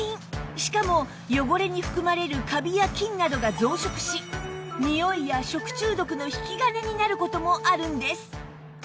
しかも汚れに含まれるカビや菌などが増殖しにおいや食中毒の引き金になる事もあるんです